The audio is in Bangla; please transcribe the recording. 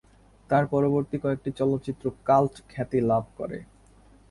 তার পরবর্তী কয়েকটি চলচ্চিত্র কাল্ট খ্যাতি লাভ করে।